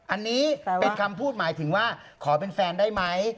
อันนี้เป็นคำพูดหมายถึงว่าขอเป็นแฟนได้ไหม